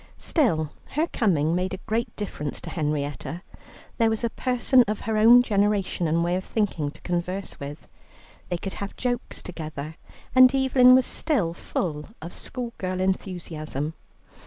Still, her coming made a great difference to Henrietta. There was a person of her own generation and way of thinking to converse with; they could have jokes together, and Evelyn was still full of schoolgirl enthusiasm.